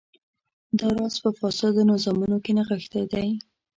دا راز په فاسدو نظامونو کې نغښتی دی.